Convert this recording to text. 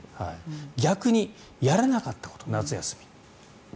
逆にやらなかったこと夏休みに。